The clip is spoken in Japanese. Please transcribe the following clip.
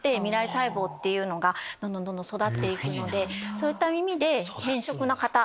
そういった意味で偏食な方。